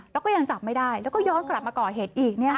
แล้วก็ยังจับไม่ได้แล้วก็ย้อนกลับมาก่อเหตุอีก